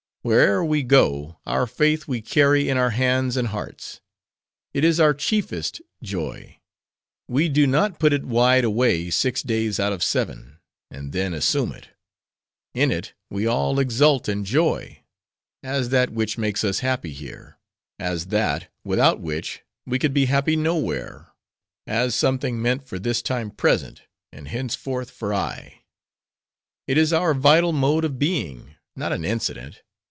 Where'er we go, our faith we carry in our hands, and hearts. It is our chiefest joy. We do not put it wide away six days out of seven; and then, assume it. In it we all exult, and joy; as that which makes us happy here; as that, without which, we could be happy nowhere; as something meant for this time present, and henceforth for aye. It is our vital mode of being; not an incident.